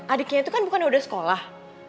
adiknya itu kan udah bukan udah sekolah